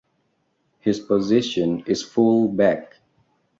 His position is fullback.